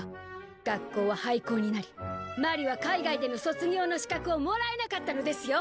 学校は廃校になり鞠莉は海外での卒業の資格をもらえなかったのですよ？